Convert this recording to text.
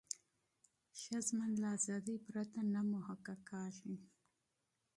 ښه ژوند له ازادۍ پرته نه محقق کیږي.